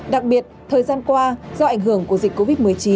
đặc biệt thời gian qua do ảnh hưởng của dịch covid một mươi chín